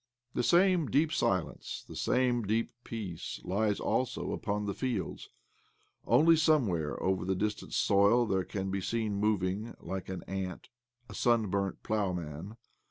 The same deep silence, the same deep peace, lies also upon the fields. Only some where over the distant soil there can be seen moving, like an ant, a sunburnt plough man.